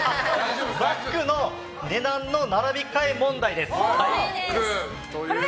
バッグの値段の並び替え問題です。